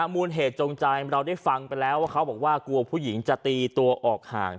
มูลเหตุจงใจเราได้ฟังไปแล้วว่าเขาบอกว่ากลัวผู้หญิงจะตีตัวออกห่าง